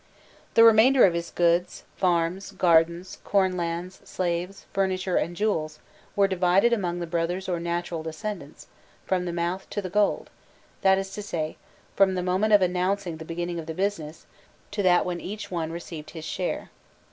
The remainder of his goods, farms, gardens, corn lands, slaves, furniture, and jewels, were divided among the brothers or natural descendants, "from the mouth to the gold;" that is to say, from the moment of announcing the beginning of the business, to that when each one received his share.